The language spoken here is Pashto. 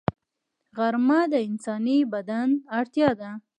غرمه د انساني بدن اړتیا ده